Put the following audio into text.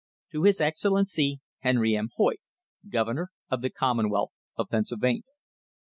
"To His Excellency Henry M. Hoyt, Governor of the Commonwealth of Pennsylvania.